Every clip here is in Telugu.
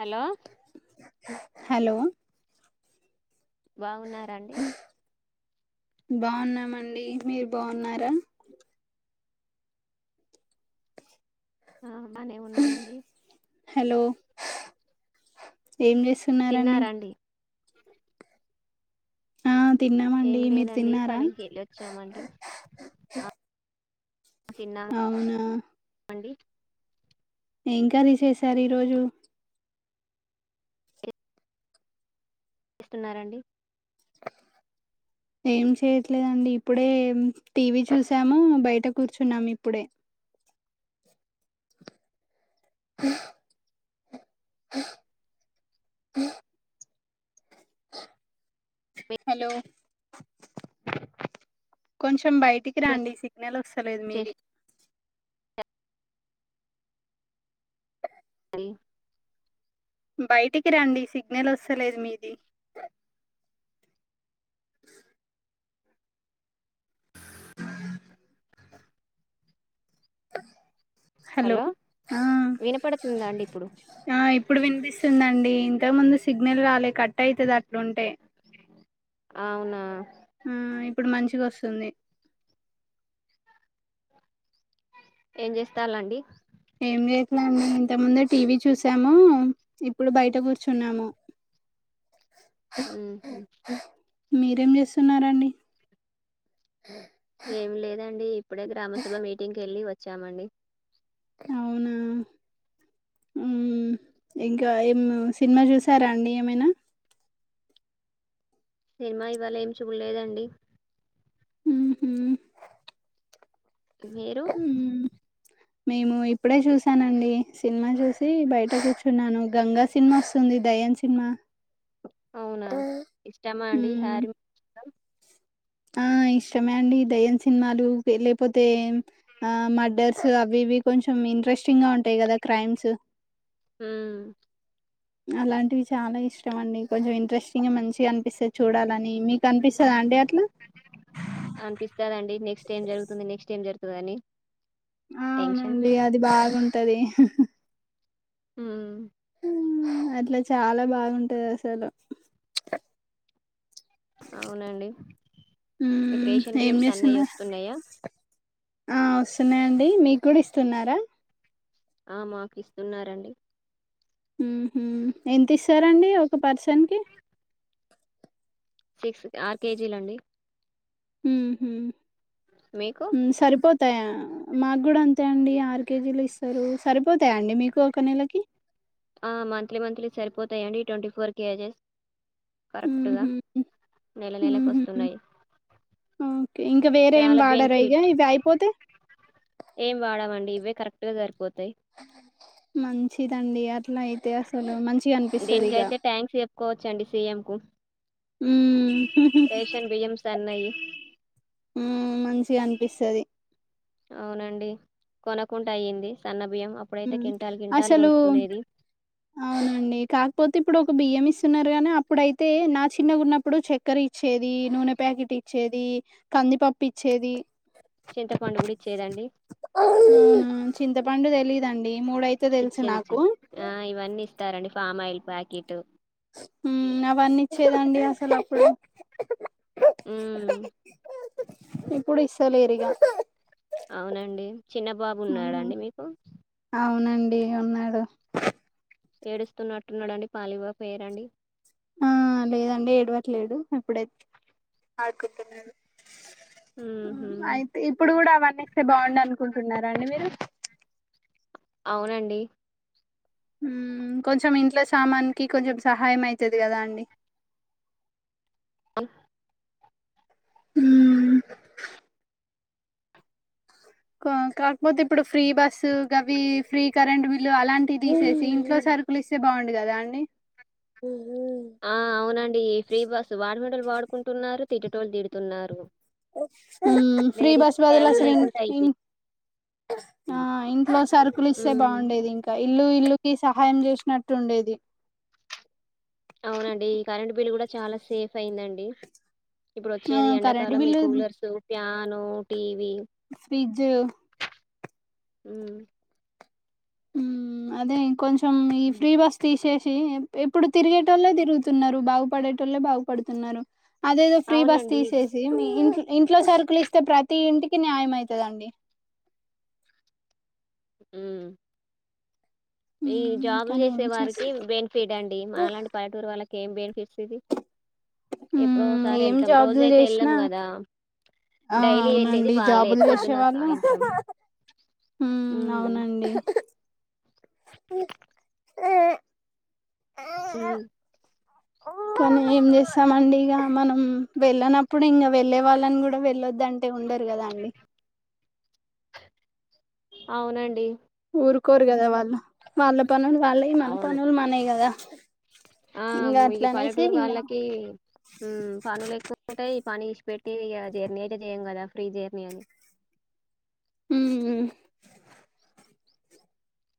హలో హలో బావ్ ఉన్నారా అండి బావున్నామండి మీరు బావున్నారా ఆ బానేవున్నామండి హలో [unintelligible] ఏం చేస్తున్నారండి [unintelligible] ఆ ఏం తిన్నామండి మీరు లేదండి తిన్నారా పనికి వెళ్ళొచ్చామండి ఆ అవునా అండి ఏంకర్రి చేసారు ఈ రోజు ఏం చేస్తున్నారండి ఏం చేయట్లేదండి ఇప్పుడే టీవీ చూసాము బయట కూర్చున్నాము ఇప్పుడే హలో కొంచెం చెం బయటికి రండి సిగ్నల్ వస్తలేదు మీది చేసాండి బయటికి రండి సిగ్నల్ వస్తలేదు మీది హలో వినపడుతుందా అండి ఇప్పుడు ఆ ఇప్పుడు వినిపిస్తుందండి ఇంతకు ముందు సిగ్నల్ రాలే కట్ అయితది అట్లుంటే అవునా ఆ ఇప్పుడు మంచిగ వస్తుంది ఏం చేస్తాలండి ఏం చేయట్లండి ఇంత ముందే టీవీ చూసాము ఇప్పుడు బయట కూర్చున్నాము ఉ హు మీరేం చేస్తున్నారండి ఏమి లేదండి ఇప్పుడే గ్రామ సభ మీటింగ్ కి వెళ్ళి వ వచ్చామండి అవునా ఉ ఇంకా ఏం సినిమా చూశారా అండి ఏమైనా సినిమా ఇవాళ ఏమి చూలేదండి ఉ హు తివేరు మేము ఇప్పుడే చూసానండి సినిమా చూసి బయట కూర్చున్నాను గంగా సినిమా వస్తుంది దయ్యం సినిమా అవున ఇష్టమా అండి మ్మ్ హారీ ఆ ఇష్టమే అండి దెయ్యం సినిమాలు లేకపోతే ఆ మర్డర్స్ అవివి కొంచెం ఇంట్రెస్టింగ్ గా ఉంటాయి కదా క్రైమ్స్ ఉ అలాంటివి చాలా ఇష్టం అండి కొంచెం ఇంట్రెస్టింగ్ గా మంచిగా అనిపిస్తది చూడాలని మీకు అనిపిస్తదా అండి అట్లా అనిపిస్తాదండి నెక్స్ట్ ఏం జరుగుతుంది నెక్స్ట్ ఏం జరుగు దని అవునండి అది బాగుం టది ఉ ఉ అట్ల చాలా బాగుంటది అసలు అవునండి మీకు మ్మ్ రేషన్ ఏం బియ్యం సన్నయి చేస్తున్నారు వస్తున్నాయా గుడిస్తున్నార ఆ మాకు ఇస్తున్నారండి ఉహు ఎంత ఇస్తారండి ఒక పర్సన్ కి సిక్స్ ఆరు కేజీలండి ఉహు మీకు సరిపోదు మాకు కూడా అంతే అండి ఆరు కేజీలు ఇస్తారు సరిపోతాయాండి మీకు ఒక నెలకి ఆ మంత్లీ మంత్లీ సరిపోతాయంండి ట్వంటీ ఫోర్ కేజెస్ కరెక్ట్గా ఊహూ నెల నెలకు ఊహూ వస్తున్నాయి ఓకే ఇంకా వేరే ఏం చాలా వాడరా ఇగ బెనిఫిట్ ఇవి అయిపోతే ఏం వాడమండి ఇవే కరెక్ట్ గా సరిపోతా మంచిదండి అ ట్లయితే అసలు మంచి గా అనిపిస్తుంది ఇక కోవచ్చండి సిఎం కు ఉం రేషన్ బియ్యం సన్నయి ఉం మంచిగా అనిపిస్తది అవునండి కొనకుండా అయింది సన్న బియ్యం అప్పుడైతే ఉం కింటాలు కింటాలు అసలు కొనుక్కునేది అవునండి కాకపోతే ఇప్పుడు ఒక బియ్యం ఇస్తున్నారు గాని అప్పుడైతే నా చిన్నగా ఉన్నప్పుడు చక్కెర ఇచ్చేది నూనె ప్యాకెట్ ఇచ్చేది కందిపప్పు ఇచ్చేది చింతపండు కూడా ఇచ్చేదండి చింతపండు తేలిద అండి మూడయితే తెలుసు నాకు తారండి ఫామ్ ఆయిల్ ప్యాకెట్ అవన్నీచ్చేదండి అసలు అప్పుడు ఉమ్ ఇప్పుడు ఇస్తలేరుగా అవునండి చిన్న బాబు ఉన్నాడాండి మీకు అవునండి ఉన్నాడు ఏడుస్తున్నట్టున్నాడండి పాలివ్వక పేయిరండి ఆ లేదండి ఏడవట్లేడు ఎప్పుడైతే ఆడుకుంటున్నాడు హుహు. అయితే ఇప్పుడు కూడా అవన్న ఇస్తే బాగుండు అనుకుంటున్నారా అండి మీరు అవునండి ఉం కొంచెం ఇంట్లో సామానికి కొంచెం సహాయం అవుతది కదా అండి అప్ ఉం కాకపోతే ఇప్పుడు ఫ్రీ బస్సు అవి ఫ్రీ కరెంట్ అలాంటివి తీసేసి ఇంట్లో సరుకులుఇస్ తె బాగుండు కదా అండి ఆ అవునండి ఈ ఫ్రీ బస్ వాడుకునేవాళ్ళు వాడుకుంటున్నారు తిట్టేటోలు తిడుతున్నారు ఉమ్ ఫ్రీ బస్ లేడీస్‌కి బదల వాల్యూ అసల్ ఇంగ్ లేకుండా అయిపోయింది. ఇంగ్ ఆ ఇంట్లో సరుకులు ఇస్తే హ్మ్. బాగుండేది ఇంకా ఇల్లు ఇల్లుకి సహాయం చేసినట్టుండేది అవునండి ఈ కరెంట్ బిల్ కూడా చాలా సేఫ్ అయిందండి ఇప్పుడు ఆ వచ్చేది కరెంట్ ఎండాకాలం ఈ బిల్లు కూలర్స్ ప్యా నుటి ఫ్రిడ్జ్ ఉమ్ ఉ అదే కొంచెం ఈ హ్మ్. ఫ్రీ బస్ తీసే చి ఎప్పుడు తిరిగేటోళ్లే తిరుగుతున్నారు బాగుపడేటోల్లే బాగుపడుతున్నారు అదేదో ఫ్రీ బస్ అవునండి. తీసేసి మీ ఇంట్లో ఇంట్లో సరుకులు ఇస్తే ప్రతి ఇంటికి న్యాయం అయితదండి ఉ ఈ హ్మ్ జాబులు కానీ ఏం చేసే చేస్త వారికి బెనిఫిట్ అండి మనలాంటి పల్లెటూరు వాళ్ళకి ఏం బెనిఫిట్స్ ఇవి హుమ్ ఏం జాబులు చేసినా కదా ఆ డైలీ వెళ్ళేది అవునండి వాళ్ళే జాబులు పొద్దున చేసేవాళ్ళు సాయంత్రం హుమ్ ఉమ్ అవునండి హ--ఆ ఉమ్, కానీ ఏం చేస్ తమండి ఇగ మనం వెళ్ళనప్పుడు ఇంకా వెళ్ళే వాళ్ నన్ను కూడా వెళ్ళొద్ దంటే ఉండరు కదా అండి అవునండి కోరుకోరు కదా వాళ్ వాళ్ళ పనులు వాళ్ళాయి మన అవును పనులు మనయి కదా ఆ ఇంకా అట్ల ఇ అనేసి పల్లెటూరు ఇంకా వాళ్ళకి మ్ పనులు ఎక్కువ ఉంటయి. పని ఇష్ పెట్టి ఇగ జెర్నీి అయితే చేయం కదా ఫ్రీ జేర్నీి అని హమ్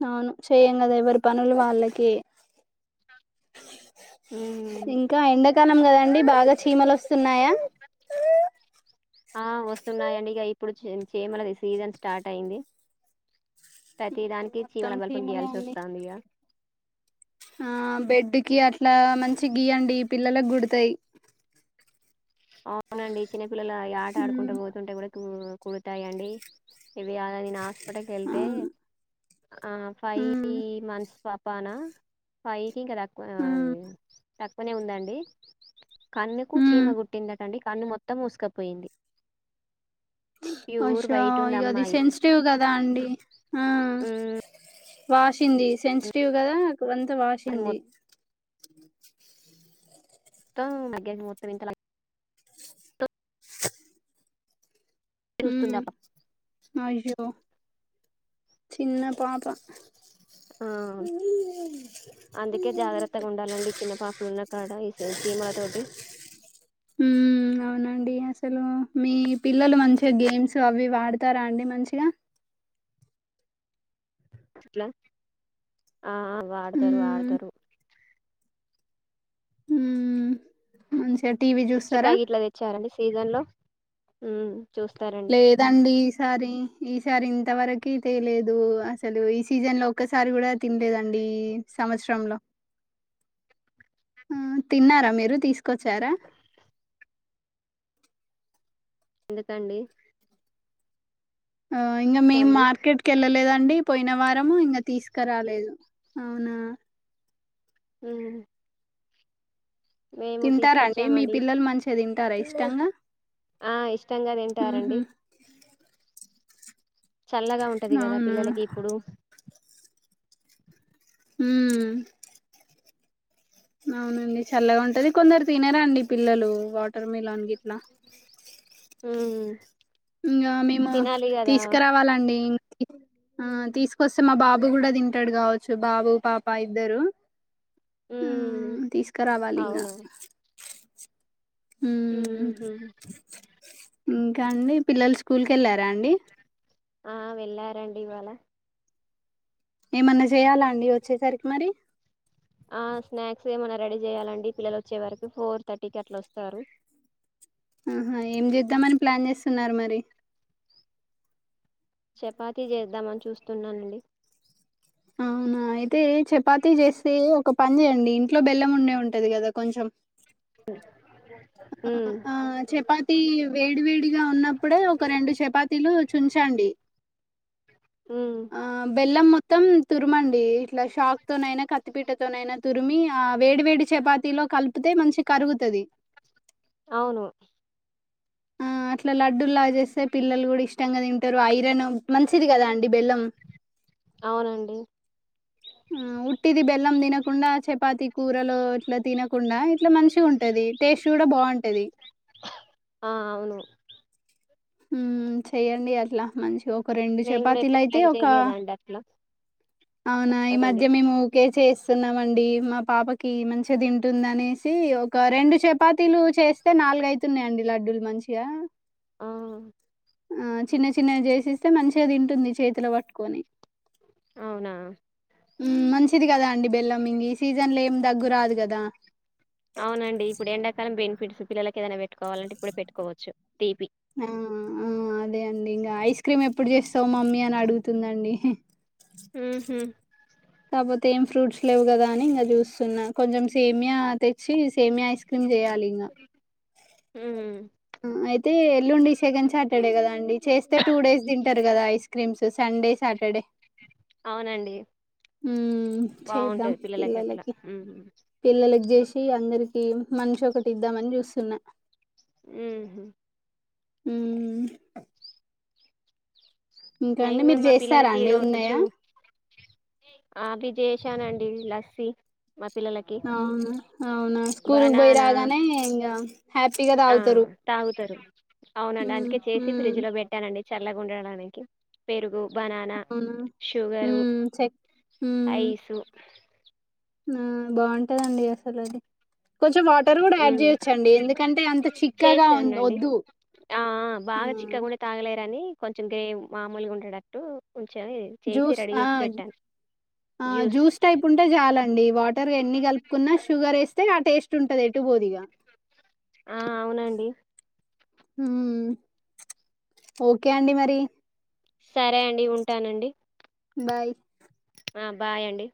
అవును చెయ్యం కదా ఎవరి పనులు వాళ్ళకే హమ్ ఇంకా ఎండాకాలం కదండి బాగా చీమలు వస్తున్నాయా ఆ వస్తున్నాయండి ఇగ ఇప్పుడు చిమలది సీజన్ స్టార్ట్ అయింది ప్రతి దానిక్ కి మొత్తం చీమల బల్పం చీమలే గియాల్స‌ి అండి వస్తందిగా ఆ బెడ్కి అట్లా మంచి గీయండి పిల్లలకి గుడతయి అవునండి చిన్నపిల్లల ఇగ ఆట ఆడుకుంటూ పోతుంటే కూడా కు కుడతాయండి ఇవి అలా నేను హాస్పిటల్కి వెళ్తే అవును ఆ ఫై ఉమ్ మంత్స్ పాపానా ఫై కి కరక్ వాల్ ఉమ్ తక్కువనే ఉందండి కన్నకు చీమ ఉమ్ గుట్ పట్టిందటండి కన్ను మొత్తం మూసుకపోయింది మ్మ్ ప్యూర్ అచ్చా వైట్ ఉంది ఇ అది అమ్మాయి సెన్సిటివ్ కదా అండి ఆ మ్మ్ వాషింది సెన్సిటివ్ కదా క్కడ అంత వాసింది మ్మ్ హ్మ్ మొత్త మ మొత్తం వింతల లైట్ చూస్తుంది ఆ మ్మ్ పాప అయ్యో చిన్న పాప ఆ అందుకే జాగ్రత్తగా ఉండాలండి చిన్న పాపలు ఉన్న కాడ ఈ చీమల తోటి అండి అసలు మీ పిల్లలు మంచిగా గేమ్స్ అవి వాడతారా అండి మంచిగా ఎట్లా ఆ వాడతారు మ్మ్ వాడతారు మ్మ్ మనుషన్ హుచ్చకాయి గిట్ల తెచ్చారండి సీజన్ లో మ్మ్ చూస్తారండి లేదండి ఈసారి ఈసారి ఇంతవరకయితే లేదు అసలు ఈ సీజన్ లో ఒక్కసారి కూడా తినలేదండి ఈ సంవత్సరంలో మ్మ్ తిన్నారా మీరు తీస్ కచారా ఎందుకండి ఆ ఇంకా మేం అండి మార్కెట్ కెళ్ళలేదండి పోయిన వారము ఇంక తీసుకురాలేదు అవునా మ్మ్ మేము తింటారా అండి మీ తీసుకొచ్చామండి పిల్లలు మంచిగా తింటారా ఇష్టంగా ఆ ఇష్టంగా తింటారండి చల్లగా ఉంటది కదా అవునా పిల్లలకి ఇప్పుడు మ్మ్ అవునండి చల్లగా ఉంటది కొందరు తినరాా అండి పిల్లలు వాటర్ మిలాన్ గిట్లా మ్మ్ ఇంగ మేము తీసుకురావాలండి ఇం ఆ తీసుకొస్తే మా బాబు కూడా తింటాడు కావచ్చు బాబు పాప ఇద్దరు హు ఉమ్ తీసుకురావాలి ఇంగ అవును ఉహు ఇంకా అండి పిల్లలు స్కూల్ కి వెళ్ళారా అండి. ఆ వెళ్ళారండి ఇవాళ ఏమన్నా చేయాలా అండి వచ్చేసరికి మరి ఆ స్నాక్స్ ఏమైన్నా రెడీ చేయాలండి పిల్లలు వచ్చే వరకు ఫోర్ థర్టీకి అట్లా వస్తారు ఆహా ఏం చేద్దామని ప్లాన్ చేస్తున్నారు మరి చపాతీ చేద్దామని చూస్తున్నానండి. అవునా అయితే చపాతీ చేస్తే ఒక పని చేయండి ఇంట్లో బెల్లం ఉండే ఉంటది కదా కొంచెం స ఆ ఆ చపాతి వేడి వేడిగా ఉన్నప్పుడే ఒక రెండు చపాతీలు చుంచండి ఉమ్ ఆ బెల్లం మొత్తం మొత్తం తురుమండి ఇట్లా చాక్ తోనైనా కత్తిపీటతోనైనా తురిమి ఆ వేడి వేడి చపాతి లో కలిపితే మంచి కరిగుతది అవును ఆ అట్లా లడ్డూలాగా చేస్తే పిల్లలు కూడా ఇష్టంగా తింటారు ఐరన్ మంచిది కదా అండి బెల్లం అవునండి. హు ఉట్టిది బెల్లం తినకుండా చపాతి కూరలు ఇట్లా తినకుండా ఇట్లా మంచిగా ఉంటది టేస్ట్ కూడా బాగుంటది. ఆ అవును ఊ చెయ్యండి అట్లా మంచిగా ఒక రెండు నేను కూడా చపాతీలు ఎప్పుడు అయితే ట్రై ఒక చేయలేదండి అట్లా అవునా ఈ కొత్తగా ఉంది మధ్య మేము ఊకె చేస్తున్నామండి మా పాపకి మంచిగా తింటుంది అనేసి ఒక రెండు చపాతీలు చేస్తే నాలుగైతున్నాయిండి లడ్డూలు మంచిగా ఆ ఆ చిన్న చిన్నవి చేసిస్తే మంచిగా తింటుంది చేతిలో పట్టుకొని అవునా హు మంచిది కదా అండి బెల్లం ఇంగ సీజన్ లో ఏం దగ్గురాదు కదా అవునండి ఇప్పుడు ఎండాకాలం పె స్వీట్స్ పిల్లలకి ఏదైనా పెట్టుకోవాలంటే ఇప్పుడు పెట్టుకోవచ్చు తీపి ఆ ఆ అదే అండి ఇంగ ఐస్ క్రీమ్ ఎ ఎప్పుడు చేస్తావు మమ్మీ అని అడుగుతుందండి. హి ఉహు కాకపోతే ఏం ఫ్రూట్స్ లేవు కదా అని ఇంకా చూస్తున్నా కొంచెం సేమియా తెచ్చి సేమియా ఐస్ టిపిన్ చేయాలి ఇంగ హు ఎల్లుండి సెకండ్ సాటర్డే కదా అండి చేస్తే టూ డేస్ తింటారు కదా ఐస్ క్రీమ్స్ సండే, సటర్డే అవునండి చేద్దాం బాగుంటది అట్లా పిల్లలకి ఉహు పిల్లలకి చేసి అందరికి మనిషి ఒకటి ఇద్దామని చూస్తున్నా ఆ అ నిను కూడా మీరు మా చేస్తారా పిల్లలకి ఈ అండి రోజు ఉన్నాయా ఆవి చెసానండి ఇలాంటి మస్త్ అవునా అవునా స్కూల్కి పోయి బనానా రాగానే ఇంకా హ్యాపీగా ఆ తాగుతారు తాగుతారు అవునండి మ్మ్ అందుకే చేసి మ్మ్ ఫ్రిడ్జ్ లో పెట్టానండి చల్లగ ఉండడానికి పెరుగు బనానా అవునా షుగరు మ్మ్ చెక్ ఐసు హు బావుంటదండి అసలు కొంచెం వాటర్ కూడా యాడ్ ఉమ్ చేయొచ్చండి ఎందుకంటే అంత చిక్కగా చేసానండి వద్దు ఆ ఆ బాగా చిక్కగుంటే తాగలేరని కొంచెం గ్రేమ్ మామూలుగా ఉండేటట్టు కొంచెం చేసి జూస్ రెడీ చేసి పెట్టాను ఆ జ్యూస్ టైప్ ఉంటే చాలండి వాటర్ ఎన్ని కలుపుకున్నా షుగర్ వేస్తే ఆ టేస్ట్ చుత్తున్నట్టు ఉంటాదిఎటు బోదిగా ఆ అవునండి హ్మ్ ఓకే అండి మరి సరే అండి ఉంటానండి బాయ్ ఆ బాయ్ అండి